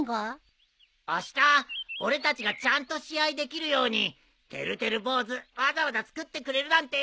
あした俺たちがちゃんと試合できるようにてるてる坊主わざわざ作ってくれるなんてよ。